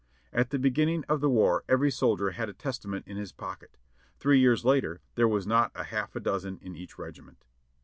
At the beginning of the war every soldier had a Testament in his pocket; three years later there was not a half dozen in each regi ment.